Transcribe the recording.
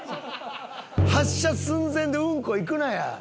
発車寸前でうんこ行くなや！